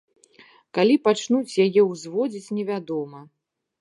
Калі пачнуць яе ўзводзіць, невядома.